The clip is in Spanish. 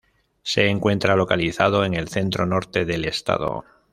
Se encuentra localizado en el centro-norte del estado.